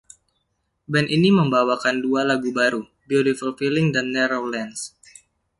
Band ini membawakan dua lagu baru, "Beautiful Feeling" dan "Narrow Lanes".